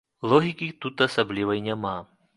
Логікі тут асаблівай няма.